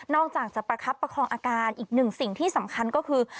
อกจากจะประคับประคองอาการอีกหนึ่งสิ่งที่สำคัญก็คือ